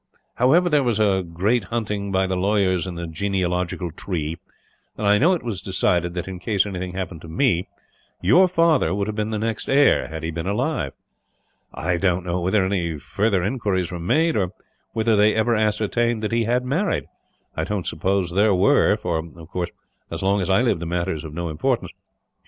"However, there was a great hunting by the lawyers in the genealogical tree; and I know it was decided that, in case anything happened to me, your father would have been the next heir, had he been alive. I don't know whether any further inquiries were made, or whether they ever ascertained that he had married. I don't suppose there were for, of course, as long as I live the matter is of no importance.